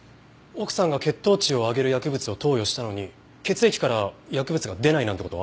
奥さんが血糖値を上げる薬物を投与したのに血液から薬物が出ないなんて